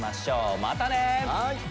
またね！